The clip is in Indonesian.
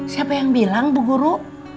siapa yang bilang ibu guru